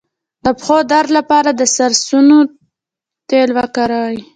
د پښو درد لپاره د سرسونو تېل وکاروئ